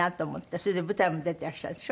それで舞台も出てらっしゃるでしょ？